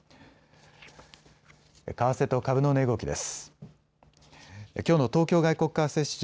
為替と株の値動きです。